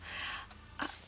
あっ。